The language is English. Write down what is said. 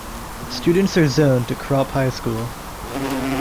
Students are zoned to Krop High School.